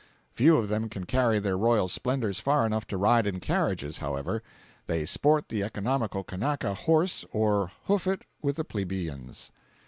Few of them can carry their royal splendors far enough to ride in carriages, however; they sport the economical Kanaka horse or "hoof it" with the plebeians.